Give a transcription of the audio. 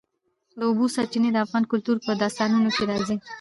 د اوبو سرچینې د افغان کلتور په داستانونو کې راځي.